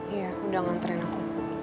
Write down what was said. iya udah nganterin aku